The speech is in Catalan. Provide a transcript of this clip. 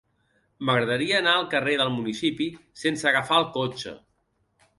M'agradaria anar al carrer del Municipi sense agafar el cotxe.